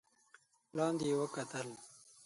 لاندې يې وکتل.